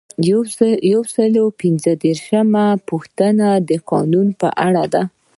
یو سل او پنځه دیرشمه پوښتنه د قانون په اړه ده.